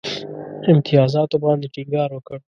امتیازاتو باندي ټینګار وکړ.